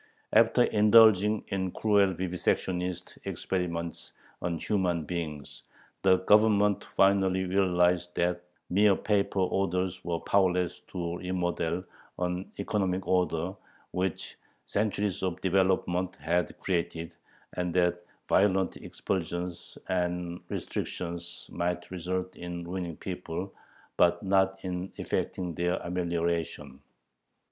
After indulging in cruel vivisectionist experiments on human beings, the Government finally realized that mere paper orders were powerless to remodel an economic order, which centuries of development had created, and that violent expulsions and restrictions might result in ruining people, but not in effecting their "amelioration."